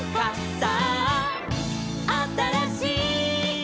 「さああたらしい」